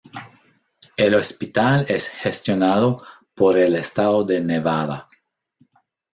El hospital es gestionado por el estado de Nevada.